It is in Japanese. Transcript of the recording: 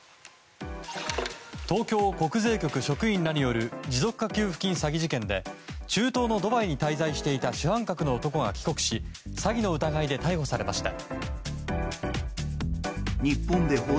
東京国税局職員らによる持続化給付金詐欺事件で中東のドバイに滞在していた主犯格の男が帰国し詐欺の疑いで逮捕されました。